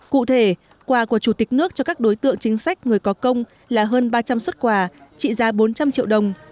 cụ thể quà của chủ tịch nước cho các đối tượng chính sách người có công là hơn ba trăm linh xuất quà trị giá bốn trăm linh triệu đồng